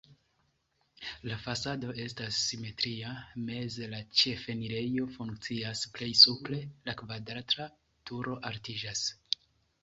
La fasado estas simetria, meze la ĉefenirejo funkcias, plej supre la kvadrata turo altiĝas.